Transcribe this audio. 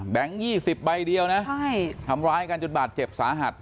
๒๐ใบเดียวนะทำร้ายกันจนบาดเจ็บสาหัส